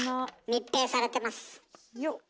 密閉されてます。